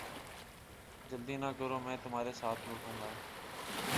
جلدی نہ کرو میں تمھارے ساتھ لوٹوں گا